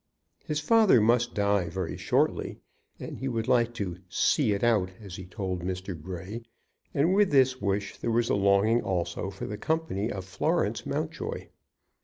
His father must die very shortly, and he would like "to see it out," as he told Mr. Grey; and, with this wish, there was a longing also for the company of Florence Mountjoy.